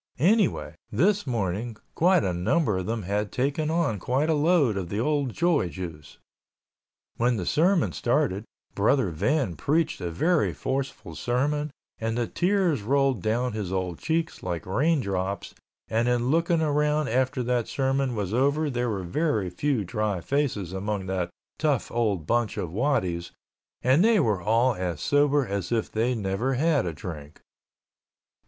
Anyway, this morning quite a number of them had taken on quite a load of the old joy juice. When the sermon started, Brother Van preached a very forceful sermon and the tears rolled down his old cheeks like rain drops and in looking around after that sermon was over there were very few dry faces among that tough old bunch of waddies and they were all as sober as if they never had a drink.